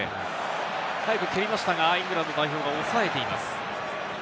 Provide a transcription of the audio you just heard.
早く蹴りましたが、イングランド代表がおさえています。